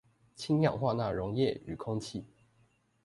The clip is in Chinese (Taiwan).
氫氧化鈉溶液與空氣